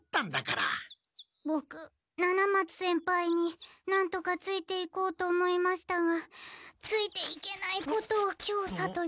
ボク七松先輩になんとかついていこうと思いましたがついていけないことを今日さとりました。